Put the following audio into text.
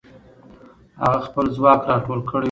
هغه خپل ځواک راټول کړی وو.